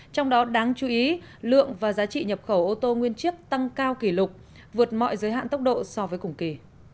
trong đó đáng chú ý lượng và giá trị nhập khẩu ô tô nguyên chiếc tăng cao kỷ lục vượt mọi giới hạn tốc độ so với cùng kỳ